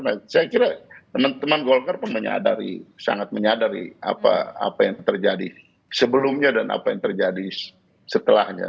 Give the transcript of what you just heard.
nah saya kira teman teman golkar pun menyadari sangat menyadari apa yang terjadi sebelumnya dan apa yang terjadi setelahnya